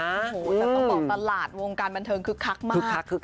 โอ้โหแต่ต้องบอกตลาดวงการบันเทิงคึกคักมาก